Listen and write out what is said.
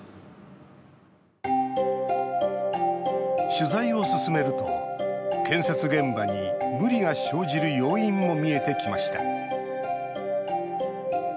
取材を進めると建設現場に無理が生じる要因も見えてきました